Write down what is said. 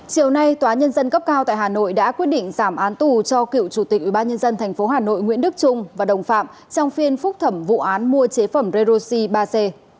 chiều nay tòa nhân dân cấp cao tại hà nội đã quyết định giảm án tù cho cựu chủ tịch ubnd tp hà nội nguyễn đức trung và đồng phạm trong phiên phúc thẩm vụ án mua chế phẩm redoxi ba c